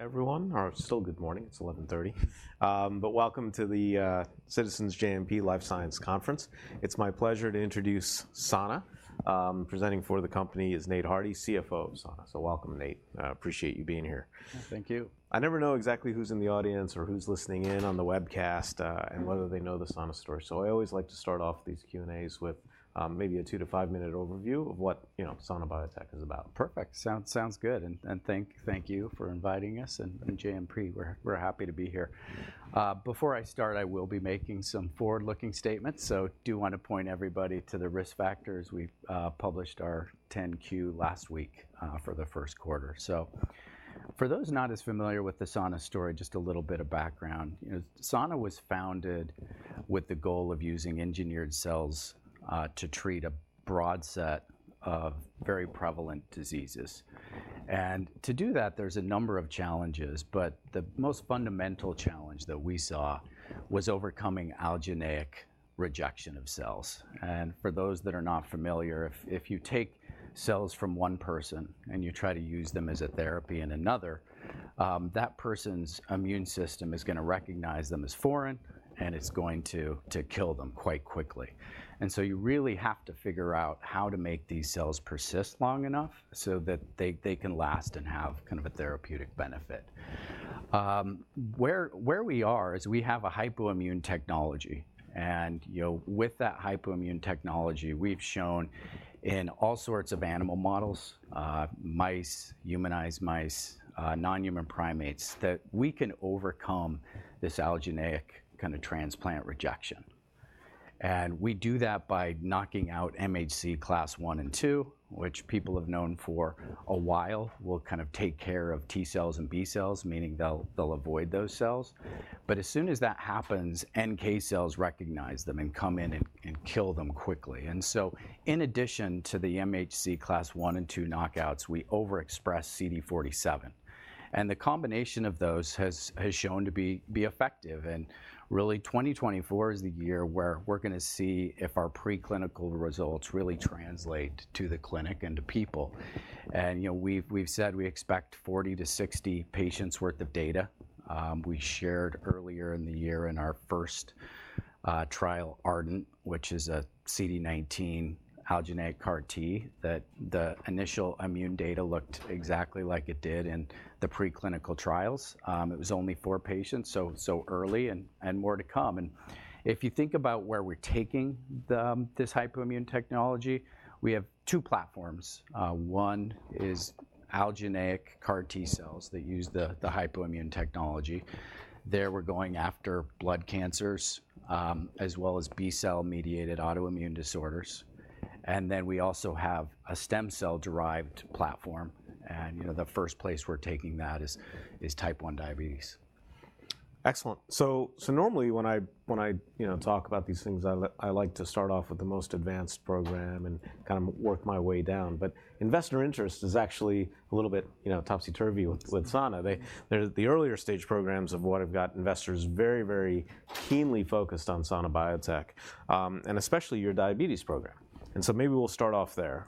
everyone, or still good morning. It's 11:30 A.M. But welcome to the Citizens JMP Life Science Conference. It's my pleasure to introduce Sana. Presenting for the company is Nate Hardy, CFO of Sana. Welcome, Nate. I appreciate you being here. Thank you. I never know exactly who's in the audience or who's listening in on the webcast, and whether they know the Sana story, so I always like to start off these Q and A's with maybe a two to five minute overview of what, you know, Sana Biotech is about. Perfect. Sounds good, and thank you for inviting us, and JMP, we're happy to be here. Before I start, I will be making some forward-looking statements, so I do wanna point everybody to the risk factors. We've published our 10-Q last week for the first quarter. So for those not as familiar with the Sana story, just a little bit of background. You know, Sana was founded with the goal of using engineered cells to treat a broad set of very prevalent diseases, and to do that, there's a number of challenges. But the most fundamental challenge that we saw was overcoming allogeneic rejection of cells, and for those that are not familiar, if you take cells from one person and you try to use them as a therapy in another, that person's immune system is gonna recognize them as foreign, and it's going to kill them quite quickly. You really have to figure out how to make these cells persist long enough so that they can last and have kind of a therapeutic benefit. Where we are is we have a hypoimmune technology, and you know, with that hypoimmune technology, we've shown in all sorts of animal models, mice, humanized mice, non-human primates, that we can overcome this allogeneic kind of transplant rejection. And we do that by knocking out MHC class I and II, which people have known for a while will kind of take care of T cells and B cells, meaning they'll avoid those cells. But as soon as that happens, NK cells recognize them and come in and kill them quickly. And so in addition to the MHC class I and II knockouts, we overexpress CD47, and the combination of those has shown to be effective, and really, 2024 is the year where we're gonna see if our preclinical results really translate to the clinic and to people. And, you know, we've said we expect 40-60 patients worth of data. We shared earlier in the year in our first trial, ARDEN, which is a CD19 allogeneic CAR T, that the initial immune data looked exactly like it did in the preclinical trials. It was only four patients, so early, and more to come. And if you think about where we're taking this Hypoimmune technology, we have two platforms. One is allogeneic CAR T cells that use the Hypoimmune technology. There, we're going after blood cancers, as well as B-cell-mediated autoimmune disorders. And then we also have a stem cell-derived platform, and, you know, the first place we're taking that is type one diabetes. Excellent. So normally, when I, you know, talk about these things, I like to start off with the most advanced program and kind of work my way down, but investor interest is actually a little bit, you know, topsy-turvy with Sana. The earlier stage programs are what have got investors very, very keenly focused on Sana Biotech, and especially your diabetes program, and so maybe we'll start off there.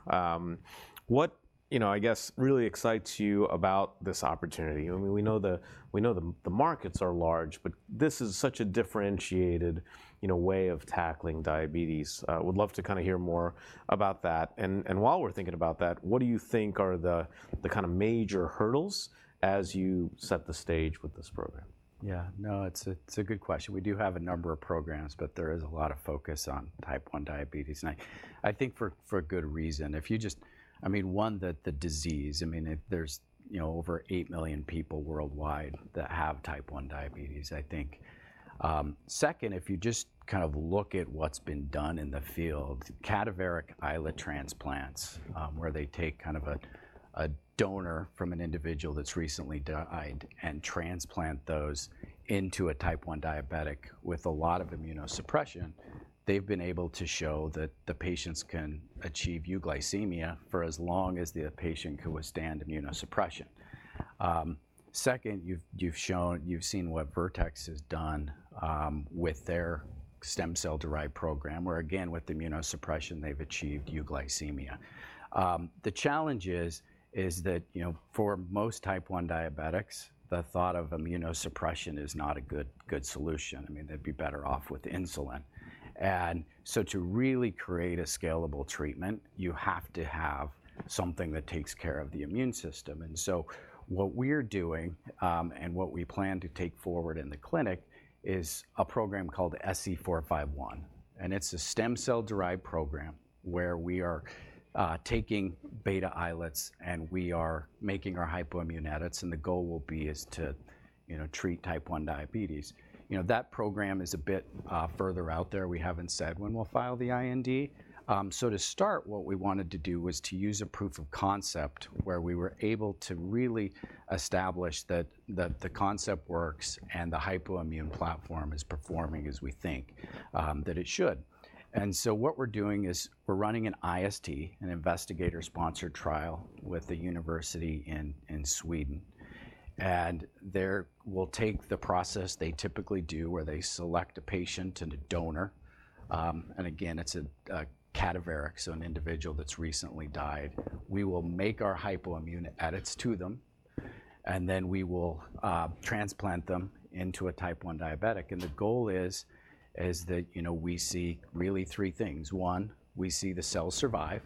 What, you know, I guess, really excites you about this opportunity? I mean, we know the markets are large, but this is such a differentiated, you know, way of tackling diabetes. Would love to kind of hear more about that, and while we're thinking about that, what do you think are the kind of major hurdles as you set the stage with this program? Yeah, no, it's a good question. We do have a number of programs, but there is a lot of focus on type one diabetes, and I think for a good reason. If you just... I mean, one, the disease, I mean, it's. There's, you know, over eight million people worldwide that have type one diabetes, I think. Second, if you just kind of look at what's been done in the field, cadaveric islet transplants, where they take kind of a donor from an individual that's recently died and transplant those into a type one diabetic with a lot of immunosuppression, they've been able to show that the patients can achieve euglycemia for as long as the patient can withstand immunosuppression. Second, you've seen what Vertex has done with their stem cell-derived program, where, again, with immunosuppression, they've achieved euglycemia. The challenge is that, you know, for most type one diabetics, the thought of immunosuppression is not a good, good solution. I mean, they'd be better off with insulin. So to really create a scalable treatment, you have to have something that takes care of the immune system, and so what we're doing and what we plan to take forward in the clinic is a program called SC451, and it's a stem cell-derived program where we are taking beta islets, and we are making our hypoimmune edits, and the goal will be to, you know, treat type one diabetes. You know, that program is a bit further out there. We haven't said when we'll file the IND. So to start, what we wanted to do was to use a proof of concept where we were able to really establish that the concept works and the hypoimmune platform is performing as we think that it should. And so what we're doing is we're running an IST, an investigator-sponsored trial, with a university in Sweden, and there, we'll take the process they typically do, where they select a patient and a donor. And again, it's a cadaveric, so an individual that's recently died, we will make our hypoimmune edits to them, and then we will transplant them into a type one diabetic. And the goal is that, you know, we see really three things. One, we see the cells survive.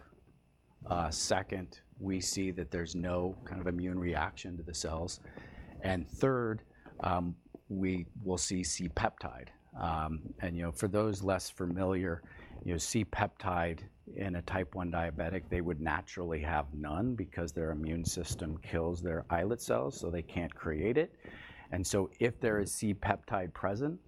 Second, we see that there's no kind of immune reaction to the cells. And third, we will see C-peptide. And, you know, for those less familiar, you know, C-peptide in a type one diabetic, they would naturally have none, because their immune system kills their islet cells, so they can't create it. And so if there is C-peptide present,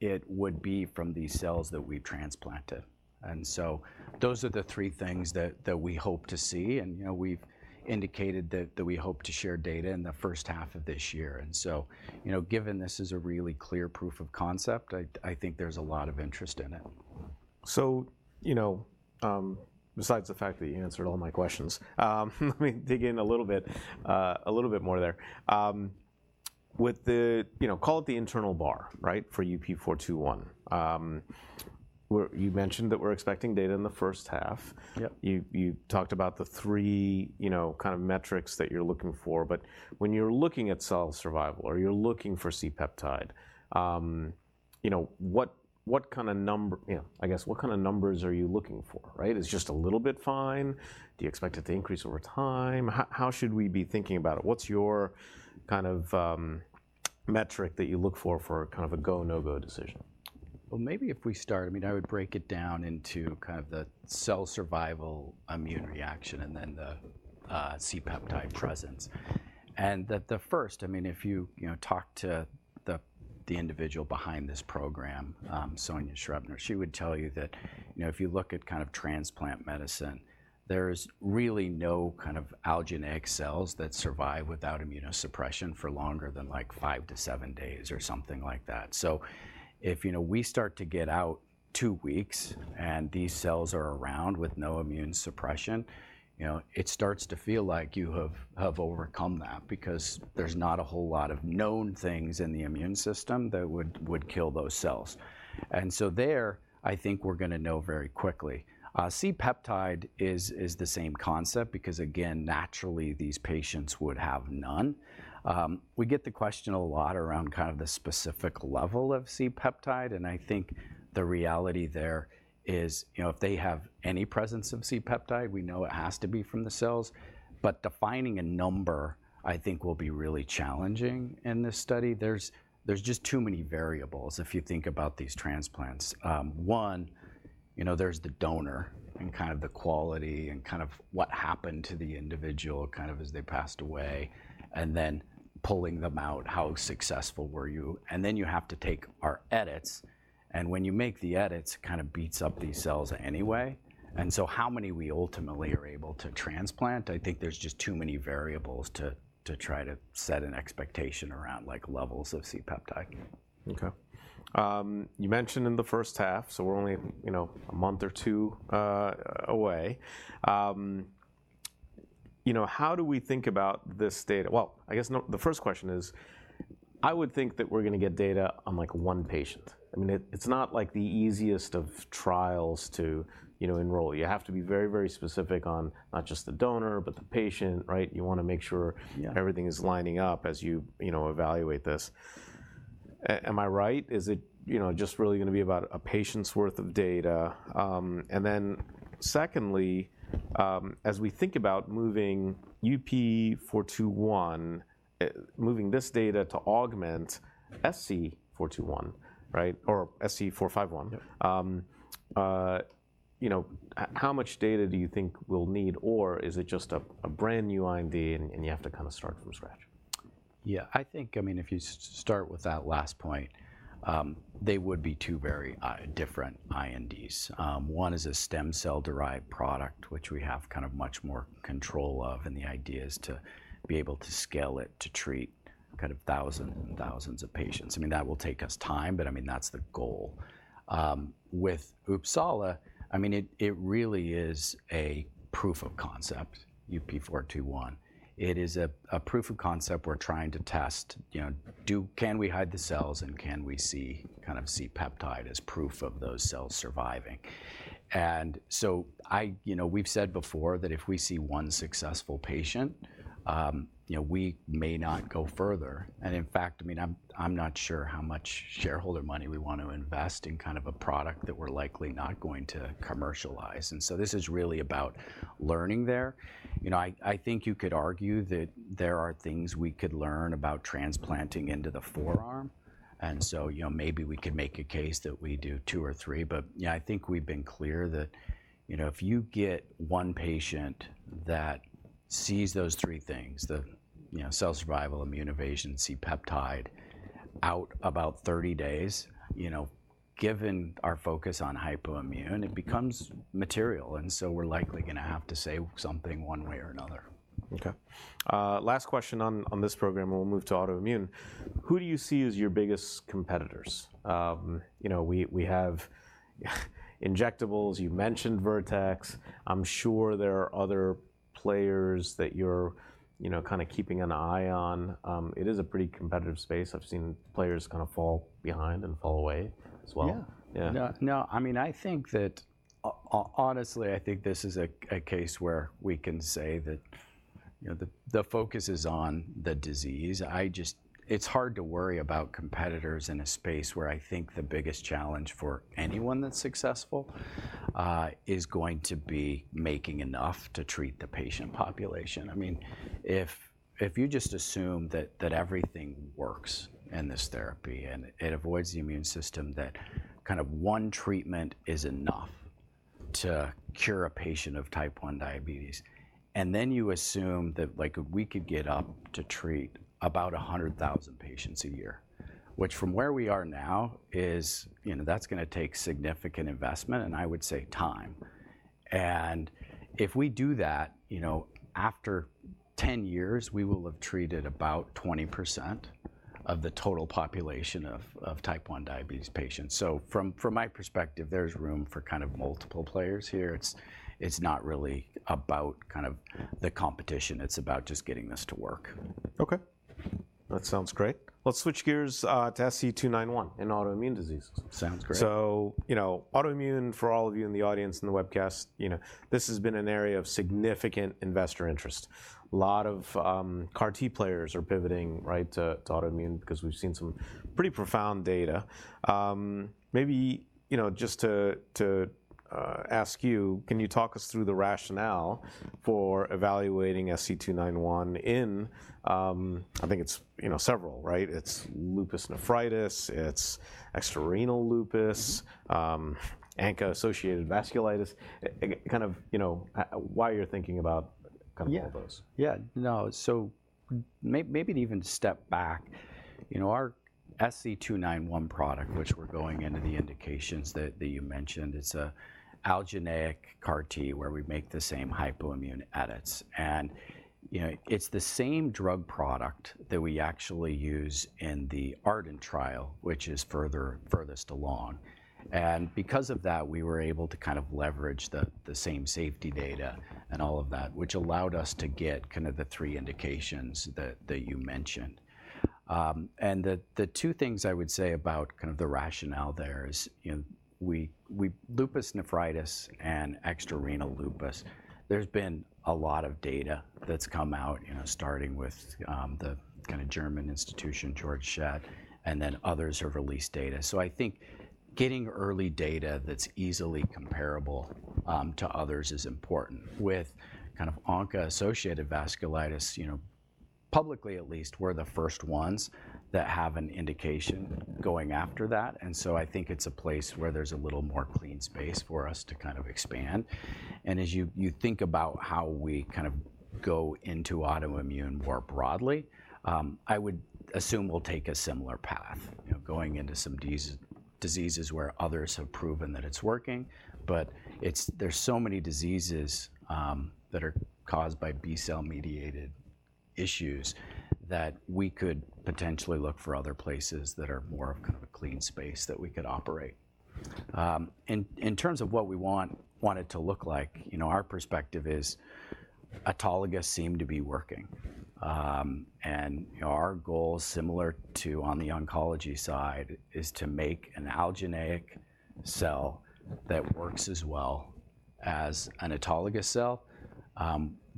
it would be from these cells that we've transplanted. And so those are the three things that we hope to see, and, you know, we've indicated that we hope to share data in the first half of this year. And so, you know, given this is a really clear proof of concept, I think there's a lot of interest in it. So, you know, besides the fact that you answered all my questions, let me dig in a little bit, a little bit more there. With the... You know, call it the internal bar, right, for UP421. You mentioned that we're expecting data in the first half. Yep. You talked about the three, you know, kind of metrics that you're looking for, but when you're looking at cell survival, or you're looking for C-peptide, you know, what kind of number? You know, I guess, what kind of numbers are you looking for, right? Is just a little bit fine? Do you expect it to increase over time? How should we be thinking about it? What's your kind of metric that you look for, for kind of a go, no-go decision? Well, maybe if we start... I mean, I would break it down into kind of the cell survival, immune reaction, and then the C-peptide presence. And the first, I mean, if you talk to the individual behind this program, Sonja Schrepfer, she would tell you that, you know, if you look at kind of transplant medicine, there's really no kind of allogeneic cells that survive without immunosuppression for longer than, like, five-to-seven days or something like that. So if, you know, we start to get out two weeks, and these cells are around with no immune suppression, you know, it starts to feel like you have overcome that, because there's not a whole lot of known things in the immune system that would kill those cells. And so there, I think we're gonna know very quickly. C-peptide is, is the same concept, because again, naturally, these patients would have none. We get the question a lot around kind of the specific level of C-peptide, and I think the reality there is, you know, if they have any presence of C-peptide, we know it has to be from the cells. But defining a number, I think, will be really challenging in this study. There's just too many variables if you think about these transplants. One, you know, there's the donor, and kind of the quality, and kind of what happened to the individual, kind of as they passed away. And then pulling them out, how successful were you? And then you have to take our edits, and when you make the edits, it kind of beats up these cells anyway. Mm-hmm. And so how many we ultimately are able to transplant, I think there's just too many variables to try to set an expectation around, like, levels of C-peptide. Okay. You mentioned in the first half, so we're only, you know, a month or two away. You know, how do we think about this data? Well, I guess the first question is, I would think that we're gonna get data on, like, one patient. I mean, it, it's not, like, the easiest of trials to, you know, enroll. You have to be very, very specific on not just the donor, but the patient, right? You wanna make sure- Yeah... everything is lining up as you, you know, evaluate this. Am I right? Is it, you know, just really gonna be about a patient's worth of data? And then secondly, as we think about moving UP-421, moving this data to augment SC451, right, or SC-451- Yep... you know, how much data do you think we'll need, or is it just a brand-new IND, and you have to kind of start from scratch? Yeah, I think, I mean, if you start with that last point, they would be two very different INDs. One is a stem cell-derived product, which we have kind of much more control of, and the idea is to be able to scale it, to treat kind of thousands and thousands of patients. I mean, that will take us time, but, I mean, that's the goal. With Uppsala, I mean, it really is a proof of concept, UP-421. It is a proof of concept we're trying to test. You know, can we hide the cells, and can we see kind of C-peptide as proof of those cells surviving? You know, we've said before that if we see one successful patient, you know, we may not go further. In fact, I mean, I'm not sure how much shareholder money we want to invest in kind of a product that we're likely not going to commercialize, and so this is really about learning there. You know, I think you could argue that there are things we could learn about transplanting into the forearm, and so, you know, maybe we could make a case that we do two or three. But yeah, I think we've been clear that, you know, if you get one patient that sees those three things, the, you know, cell survival, immune evasion, C-peptide, out about 30 days, you know, given our focus on hypoimmune, it becomes material. And so we're likely gonna have to say something one way or another. Okay. Last question on this program, and we'll move to autoimmune. Who do you see as your biggest competitors? You know, we have injectables. You mentioned Vertex. I'm sure there are other players that you're, you know, kind of keeping an eye on. It is a pretty competitive space. I've seen players kind of fall behind and fall away as well. Yeah. Yeah. No, no, I mean, I think that honestly, I think this is a case where we can say that you know, the focus is on the disease. It's hard to worry about competitors in a space where I think the biggest challenge for anyone that's successful is going to be making enough to treat the patient population. I mean, if you just assume that everything works in this therapy, and it avoids the immune system, that kind of one treatment is enough to cure a patient of type one diabetes, and then you assume that, like, we could get up to treat about 100,000 patients a year, which from where we are now, you know, that's gonna take significant investment, and I would say time. If we do that, you know, after 10 years, we will have treated about 20% of the total population of type one diabetes patients. So from my perspective, there's room for kind of multiple players here. It's not really about kind of the competition, it's about just getting this to work. Okay. That sounds great. Let's switch gears to SC291 in autoimmune diseases. Sounds great. So, you know, autoimmune, for all of you in the audience, in the webcast, you know, this has been an area of significant investor interest. A lot of CAR T players are pivoting, right, to, to autoimmune, 'cause we've seen some pretty profound data. Maybe, you know, just to, to ask you, can you talk us through the rationale for evaluating SC291 in, I think it's, you know, several, right? It's lupus nephritis, it's extrarenal lupus- Mm-hmm... ANCA-associated vasculitis. Kind of, you know, why you're thinking about kind of all those. Yeah. Yeah. No, so maybe to even step back, you know, our SC291 product, which we're going into the indications that you mentioned, it's a allogeneic CAR T, where we make the same hypoimmune edits. And, you know, it's the same drug product that we actually use in the ARDEN trial, which is further, furthest along. And because of that, we were able to kind of leverage the same safety data and all of that, which allowed us to get kind of the three indications that you mentioned. And the two things I would say about kind of the rationale there is, you know, we lupus nephritis and extrarenal lupus, there's been a lot of data that's come out, you know, starting with the kind of German institution, Georg Schett, and then others have released data. So I think getting early data that's easily comparable to others is important. With kind of ANCA-associated vasculitis, you know, publicly at least, we're the first ones that have an indication going after that, and so I think it's a place where there's a little more clean space for us to kind of expand. And as you think about how we kind of go into autoimmune more broadly, I would assume we'll take a similar path, you know, going into some diseases where others have proven that it's working. But it's... There's so many diseases that are caused by B-cell mediated issues, that we could potentially look for other places that are more of kind of a clean space that we could operate. And in terms of what we want it to look like, you know, our perspective is autologous seem to be working. You know, our goal, similar to on the oncology side, is to make an allogeneic cell that works as well as an autologous cell.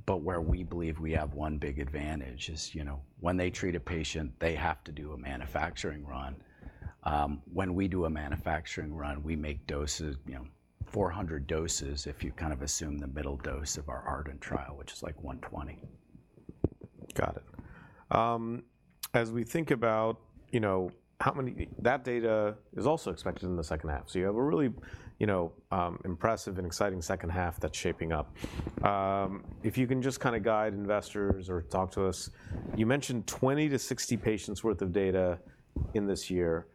But where we believe we have one big advantage is, you know, when they treat a patient, they have to do a manufacturing run. When we do a manufacturing run, we make doses, you know, 400 doses, if you kind of assume the middle dose of our ARDEN trial, which is, like, 120. Got it. As we think about, you know, how many... That data is also expected in the second half. So you have a really, you know, impressive and exciting second half that's shaping up. If you can just kind of guide investors or talk to us, you mentioned 20-60 patients worth of data in this year.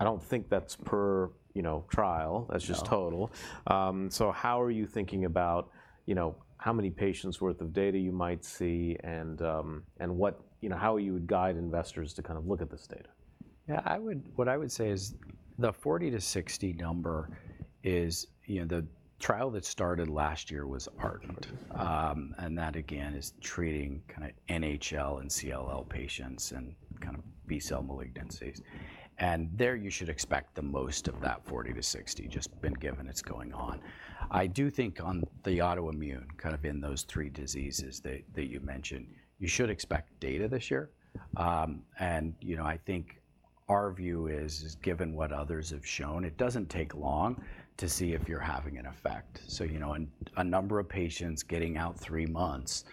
I don't think that's per, you know, trial- No... that's just total. So how are you thinking about, you know, how many patients worth of data you might see, and what... You know, how you would guide investors to kind of look at this data? Yeah, what I would say is, the 40-60 number is... You know, the trial that started last year was ARDEN. And that, again, is treating kind of NHL and CLL patients, and kind of B-cell malignancies, and there, you should expect the most of that 40-60, just given it's going on. I do think on the autoimmune, kind of in those three diseases that you mentioned, you should expect data this year. And you know, I think our view is, given what others have shown, it doesn't take long to see if you're having an effect. So, you know, in a number of patients getting out 3 months,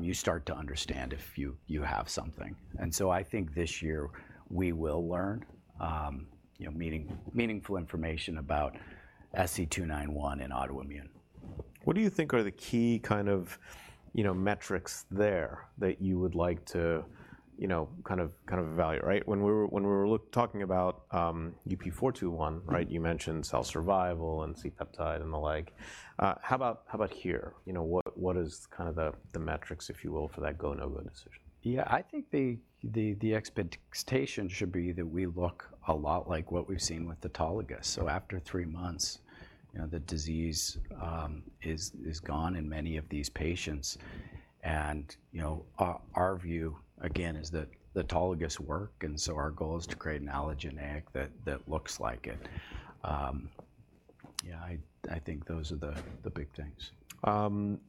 you start to understand if you have something. And so I think this year we will learn, you know, meaningful information about SC291 in autoimmune. What do you think are the key, kind of, you know, metrics there that you would like to, you know, kind of, kind of evaluate, right? When we were talking about UP-421, right, you mentioned cell survival and C-peptide, and the like. How about here? You know, what is kind of the metrics, if you will, for that go/no-go decision? Yeah, I think the expectation should be that we look a lot like what we've seen with autologous. So after three months, you know, the disease is gone in many of these patients. And, you know, our view, again, is that autologous work, and so our goal is to create an allogeneic that looks like it. Yeah, I think those are the big things.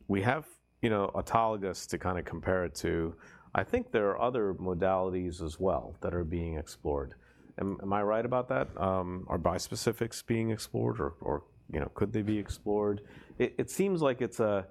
We have, you know, autologous to kind of compare it to. I think there are other modalities as well that are being explored. Am I right about that? Are bispecifics being explored or, you know, could they be explored? It seems like it's a,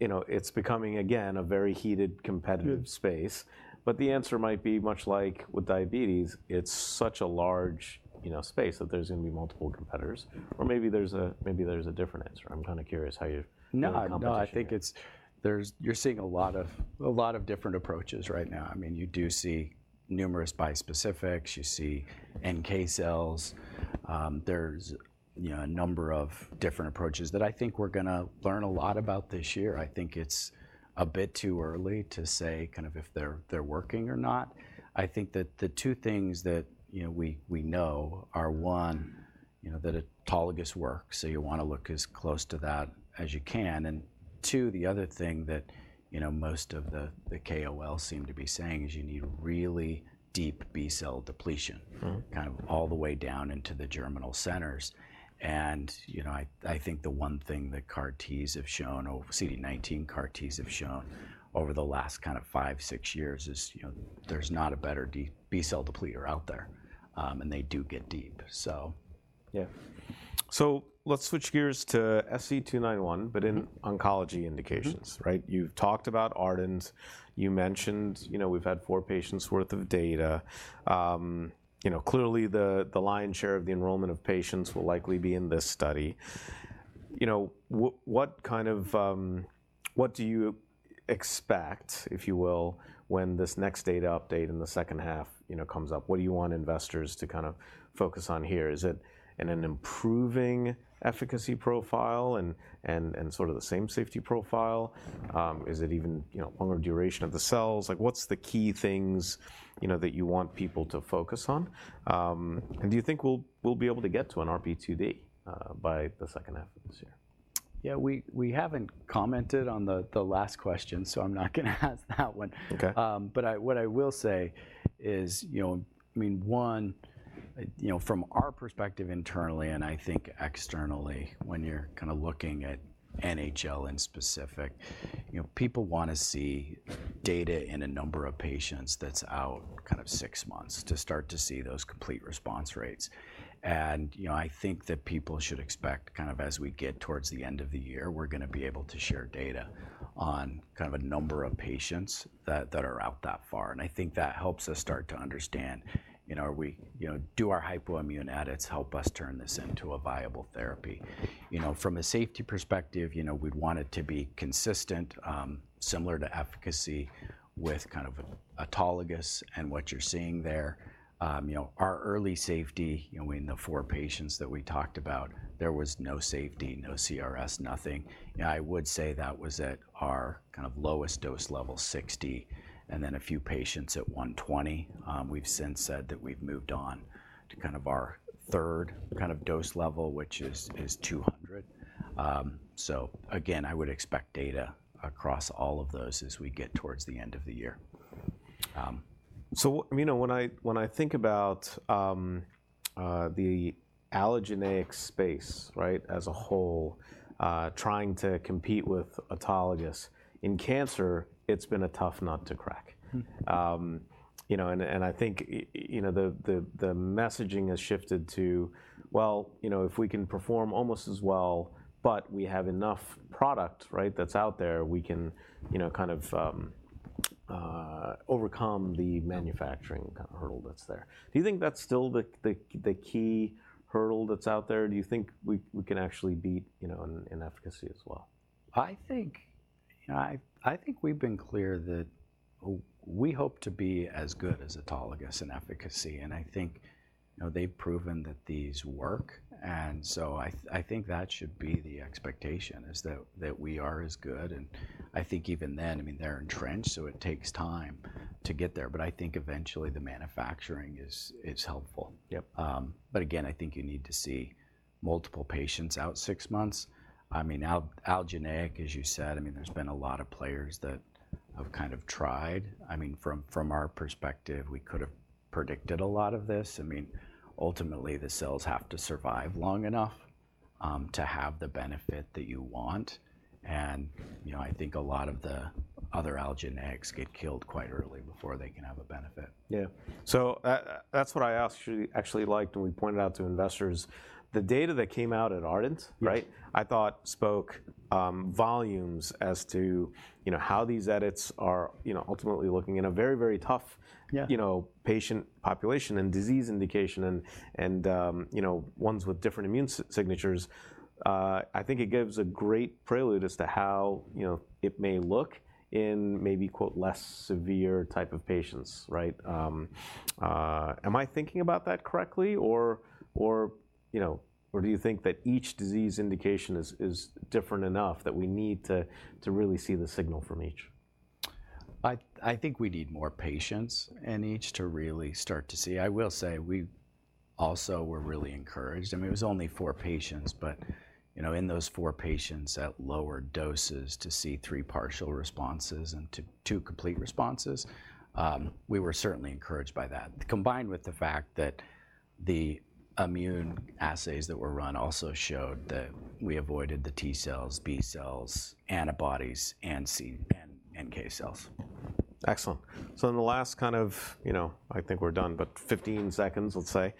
you know, it's becoming, again, a very heated, competitive space. Yeah. But the answer might be, much like with diabetes, it's such a large, you know, space, that there's gonna be multiple competitors. Or maybe there's a, maybe there's a different answer. I'm kind of curious how you- No... how you accomplish it. No, I think it's. There's you're seeing a lot of a lot of different approaches right now. I mean, you do see numerous bispecifics, you see NK cells. There's, you know, a number of different approaches that I think we're gonna learn a lot about this year. I think it's a bit too early to say kind of if they're working or not. I think that the two things that, you know, we know are, one, you know, that autologous works, so you wanna look as close to that as you can, and two, the other thing that, you know, most of the KOLs seem to be saying is you need really deep B-cell depletion- Mm-hmm... kind of all the way down into the germinal centers. You know, I think the one thing that CAR Ts have shown, or CD19 CAR Ts have shown over the last kind of five, six years is, you know, there's not a better B-cell depleter out there. And they do get deep. So... Yeah. So let's switch gears to SC291, but in- Mm... oncology indications. Mm-hmm. Right? You've talked about ARDEN. You mentioned, you know, we've had four patients' worth of data. You know, clearly the lion's share of the enrollment of patients will likely be in this study. You know, what kind of... What do you expect, if you will, when this next data update in the second half, you know, comes up? What do you want investors to kind of focus on here? Is it an improving efficacy profile and sort of the same safety profile? Is it even, you know, longer duration of the cells? Like, what's the key things, you know, that you want people to focus on? And do you think we'll be able to get to an RP2D by the second half of this year? Yeah, we haven't commented on the last question, so I'm not gonna answer that one. Okay. But what I will say is, you know, I mean, one, you know, from our perspective internally, and I think externally, when you're kind of looking at NHL in specific, you know, people wanna see data in a number of patients that's out kind of six months to start to see those complete response rates. And, you know, I think that people should expect, kind of as we get towards the end of the year, we're gonna be able to share data on kind of a number of patients that are out that far, and I think that helps us start to understand, you know, are we... You know, do our hypoimmune edits help us turn this into a viable therapy? You know, from a safety perspective, you know, we'd want it to be consistent, similar to efficacy with kind of autologous and what you're seeing there. You know, our early safety, you know, in the four patients that we talked about, there was no safety, no CRS, nothing. You know, I would say that was at our kind of lowest dose level, 60, and then a few patients at 120. We've since said that we've moved on to kind of our third kind of dose level, which is 200. So again, I would expect data across all of those as we get towards the end of the year. You know, when I think about the allogeneic space, right, as a whole, trying to compete with autologous, in cancer, it's been a tough nut to crack. Mm-hmm. You know, and I think, you know, the messaging has shifted to, well, you know, if we can perform almost as well, but we have enough product, right, that's out there, we can, you know, kind of, overcome the manufacturing- Mm... kind of hurdle that's there. Do you think that's still the key hurdle that's out there? Do you think we can actually beat, you know, in efficacy as well? I think, you know, I think we've been clear that we hope to be as good as autologous in efficacy, and I think, you know, they've proven that these work. And so I think that should be the expectation, is that we are as good, and I think even then, I mean, they're entrenched, so it takes time to get there. But I think eventually the manufacturing is, it's helpful. Yep. But again, I think you need to see multiple patients out six months. I mean, allogeneic, as you said, I mean, there's been a lot of players that have kind of tried. I mean, from our perspective, we could have predicted a lot of this. I mean, ultimately, the cells have to survive long enough to have the benefit that you want, and, you know, I think a lot of the other allogeneics get killed quite early, before they can have a benefit. Yeah. So, that's what I asked you, actually liked, and we pointed out to investors, the data that came out at ARDEN- Yes... right, I thought spoke volumes as to, you know, how these edits are, you know, ultimately looking in a very, very tough- Yeah... you know, patient population and disease indication, and you know, ones with different immune signatures. I think it gives a great prelude as to how, you know, it may look in maybe, quote, "less severe" type of patients, right? Am I thinking about that correctly? Or, you know, or do you think that each disease indication is different enough, that we need to really see the signal from each? I think we need more patients in each to really start to see. I will say, we also were really encouraged. I mean, it was only four patients, but, you know, in those four patients at lower doses, to see three partial responses and two complete responses, we were certainly encouraged by that. Combined with the fact that the immune assays that were run also showed that we avoided the T cells, B cells, antibodies, and NK cells. Excellent. So in the last kind of, you know, I think we're done, but 15 seconds, let's say,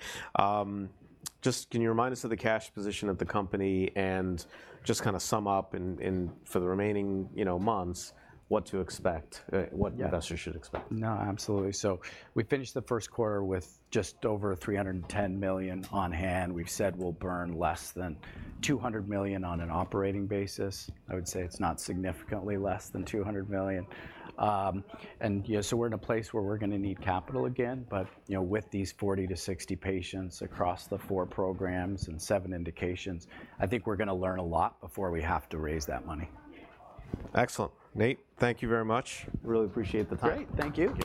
just can you remind us of the cash position of the company and just kind of sum up in, for the remaining, you know, months, what to expect? Yeah... what investors should expect? No, absolutely. So we finished the first quarter with just over $310 million on hand. We've said we'll burn less than $200 million on an operating basis. I would say it's not significantly less than $200 million. And, yeah, so we're in a place where we're gonna need capital again, but, you know, with these 40-60 patients across the four programs and seven indications, I think we're gonna learn a lot before we have to raise that money. Excellent. Nate, thank you very much. Really appreciate the time. Great. Thank you.